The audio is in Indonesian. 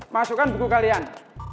masukkan buku kalian